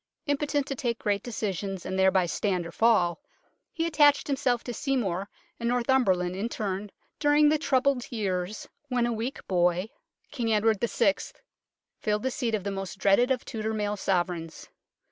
Impotent to take great decisions, and thereby stand or fall, he attached himself to Seymour and Northumberland in turn during the troubled years when a weak boy, King 8 UNKNOWN LONDON Edward VI. filled the seat of the most dreaded of Tudor male sovereigns.